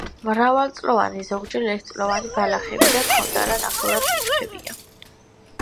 მრავალწლოვანი, ზოგჯერ ერთწლოვანი ბალახები და ქონდარა ნახევრად ბუჩქებია.